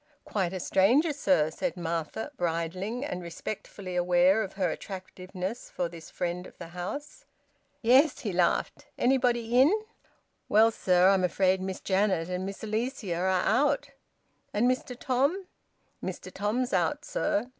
"Quite a stranger, sir!" said Martha, bridling, and respectfully aware of her attractiveness for this friend of the house. "Yes," he laughed. "Anybody in?" "Well, sir, I'm afraid Miss Janet and Miss Alicia are out." "And Mr Tom?" "Mr Tom's out, sir.